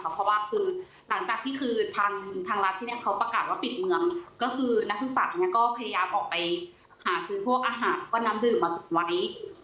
เพราะว่าคือหลังจากที่คือทางรัฐที่นี่เขาประกาศว่าปิดเมืองก็คือนักศึกษาเนี่ยก็พยายามออกไปหาซื้อพวกอาหารก็น้ำดื่มมาไว้